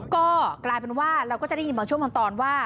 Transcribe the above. ก็กลายเป็นว่าเราก็จะได้ยินบางช่วงบางตอนว่า